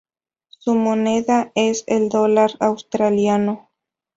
Su moneda es el dólar australiano.